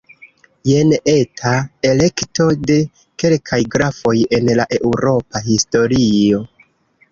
Jen eta elekto de kelkaj grafoj en la eŭropa historio.